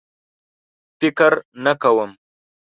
فکر نه کوم.